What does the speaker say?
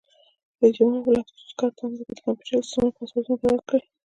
رئیس جمهور خپلو عسکرو ته امر وکړ؛ د کمپیوټري سیسټمونو پاسورډونه بدل کړئ!